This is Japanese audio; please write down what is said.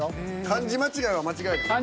漢字間違いは間違いですか？